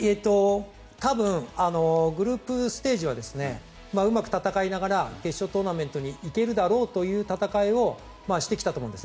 多分、グループステージはうまく戦いながら決勝トーナメントに行けるだろうという戦いをしてきたと思うんです。